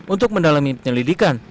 untuk mendalami penyelidikan